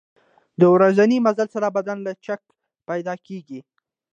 د ورځني مزل سره بدن لچک پیدا کېږي.